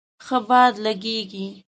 ښه باد لږیږی